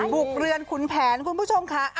บุกเรือนขุนแผนคุณผู้ชมค่ะ